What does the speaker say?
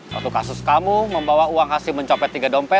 waktu kasus kamu membawa uang hasil mencopet tiga dompet